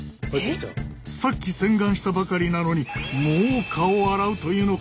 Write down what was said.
さっき洗顔したばかりなのにもう顔を洗うというのか？